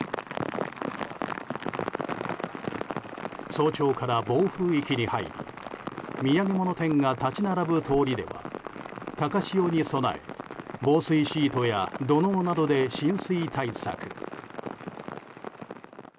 早朝から暴風域に入り土産物店が立ち並ぶ通りでは高潮に備え、防水シートや土のうなどで浸水対策。